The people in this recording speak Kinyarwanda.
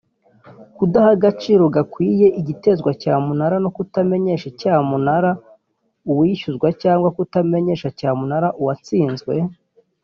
kudaha agaciro gakwiye igitezwa cyamunara no kutamenyesha icyamunara uwishyuzwa cyangwa kutamenyesha cyamunara uwatsinzwe